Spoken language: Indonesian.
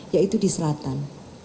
yaitu di selatan